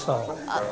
あっ。